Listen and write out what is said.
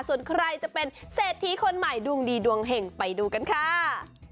ส่วนใครจะเป็นเศรษฐีคนใหม่ดวงดีดวงเห็งไปดูกันค่ะ